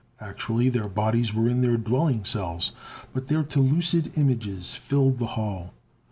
Actually their bodies were in their dwelling cells, but their telucid images filled the hall.